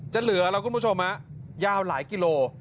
จะเหลือนะคุณผู้ชมยาวหลายกิโล